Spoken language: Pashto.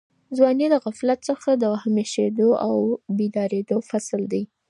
ځواني د غفلت څخه د وهمېشهو او بېدارېدو فصل دی.